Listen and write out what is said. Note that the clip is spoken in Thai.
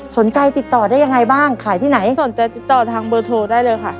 สนใจติดต่อได้ยังไงบ้างขายที่ไหนสนใจติดต่อทางเบอร์โทรได้เลยค่ะ